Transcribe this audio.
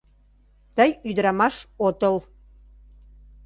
Тый ӱдырамаш отыл!